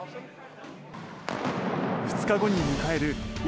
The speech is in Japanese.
２日後に迎える１・